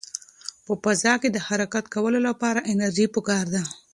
په فضا کې د حرکت کولو لپاره انرژي پکار ده.